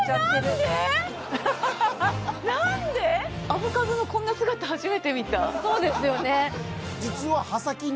アボカドのこんな姿初めて見たそうですよね